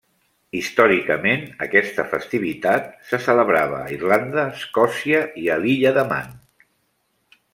Històricament aquesta festivitat se celebrava a Irlanda, Escòcia i a l'Illa de Man.